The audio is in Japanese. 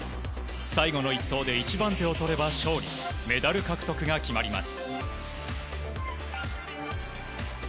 最後の１投で１番手をとれば勝利メダル獲得が決まります。